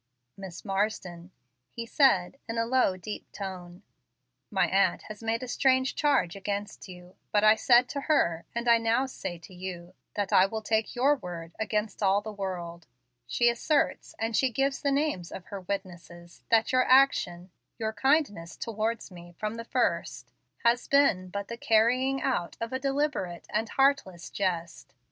"Miss Marsden," he said, in a low, deep tone, "my aunt has made a strange charge against you, but I said to her, and I now say to you, that I will take your word against all the world. She asserts, and she gives the names of her witnesses, that your action your kindness towards me from the first has been but the carrying out of a deliberate and heartless jest.